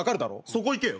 そこ行けよ。